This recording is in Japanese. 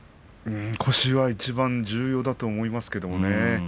腰がいちばん重要だと思います。